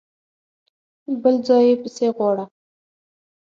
بل ځای يې پسې غواړه!